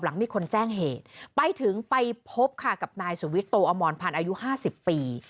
หลังมีคนแจ้งเหตุไปถึงไปพบค่ะกับนายสุวิทโตอมรพันธ์อายุ๕๐ปี